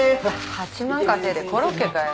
８万稼いでコロッケかよ。